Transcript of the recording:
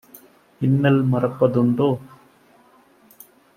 இன்னல் மறப்ப துண்டோ?"